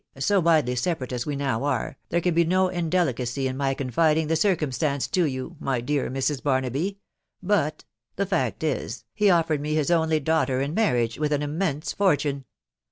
so widely separate as we now are, there can be no indelicacy in my confiding the circumstance to you, my dear Mrs. Barnaby, but .... the fact is, he offered me his only daughter in marriage, with an immense fortune.